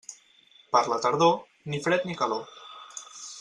Per la tardor, ni fred ni calor.